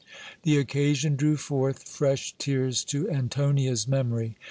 The occasion drew forth fresh tears to Antonia's memory.